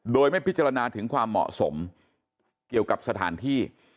โดยไม่พิจารณาถึงความเหมาะสมเกี่ยวกับสถานที่